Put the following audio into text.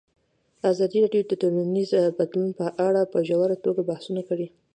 ازادي راډیو د ټولنیز بدلون په اړه په ژوره توګه بحثونه کړي.